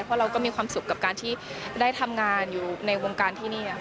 เพราะเราก็มีความสุขกับการที่ได้ทำงานอยู่ในวงการที่นี่